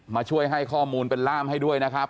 มาช่วยให้ข้อมูลเป็นร่ามให้ด้วยนะครับ